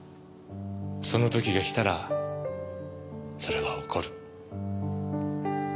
その時がきたらそれは起こる。